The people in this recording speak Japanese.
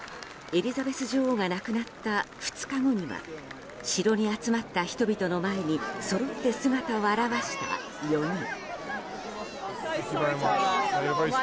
エリザベス女王が亡くなった２日後には城に集まった人々の前にそろって姿を現した４人。